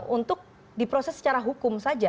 untuk diproses secara hukum saja